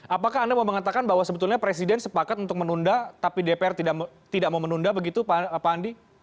apakah anda mau mengatakan bahwa sebetulnya presiden sepakat untuk menunda tapi dpr tidak mau menunda begitu pak andi